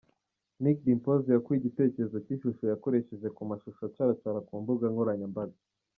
Nick Dimpoz yakuye igitekerezo cy’ishusho yakoresheje ku mashusho acaracara ku mbuga nkoranyambaga.